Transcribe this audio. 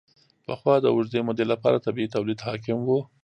پخوا د اوږدې مودې لپاره طبیعي تولید حاکم و.